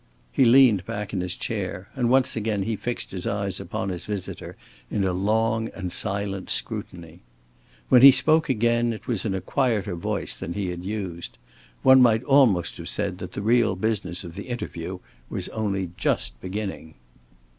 He leaned back in his chair, and once again he fixed his eyes upon his visitor in a long and silent scrutiny. When he spoke again, it was in a quieter voice than he had used. One might almost have said that the real business of the interview was only just beginning.